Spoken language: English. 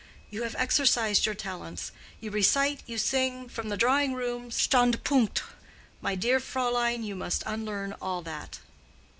You have exercised your talents—you recite—you sing—from the drawing room Standpunkt. My dear Fräulein, you must unlearn all that.